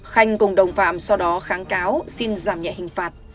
khanh cùng đồng phạm sau đó kháng cáo xin giảm nhẹ hình phạt